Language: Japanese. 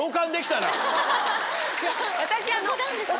私。